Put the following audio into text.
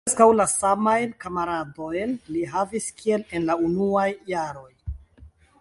Preskaŭ la samajn kamaradojn li havis kiel en la unuaj jaroj.